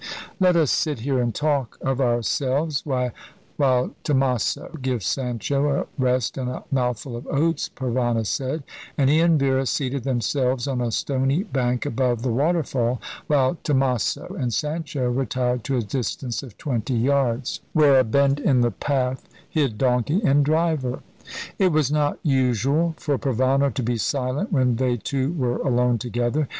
"Let us sit here and talk of ourselves, while Tomaso gives Sancho a rest and a mouthful of oats," Provana said; and he and Vera seated themselves on a stony bank above the waterfall, while Tomaso and Sancho retired to a distance of twenty yards, where a bend in the path hid donkey and driver. It was not usual for Provana to be silent when they two were alone together.